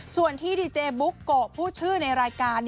ส่วนที่ดีเจบุ๊กโกะพูดชื่อในรายการ